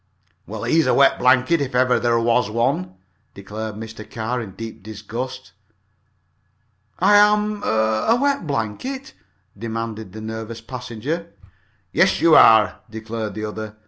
"Well, he's a wet blanket, if ever there was one!" declared Mr. Carr, in deep disgust. "I am er a wet blanket?" demanded the nervous passenger. "Yes, you are!" declared the other.